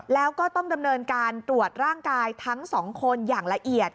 แล้วก็ต้องดำเนินการตรวจร่างกายทั้งสองคนอย่างละเอียด